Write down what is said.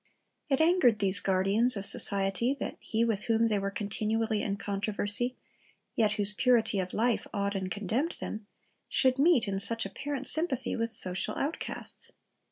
It angered these guardians of society that He with whom they were continually in controversy, yet whose purity of life awed and condemned them, should meet, in such apparent sympathy, with social outcasts.